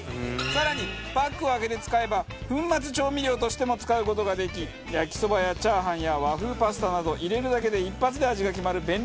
更にパックを開けて使えば粉末調味料としても使う事ができ焼きそばやチャーハンや和風パスタなど入れるだけで一発で味が決まる便利アイテムです。